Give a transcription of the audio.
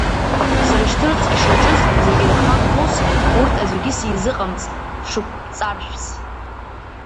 Срышьҭырц ишаҿыз зегь рхахус, урҭ аӡәгьы сизыҟамҵт ҽыкәбҵаршәс…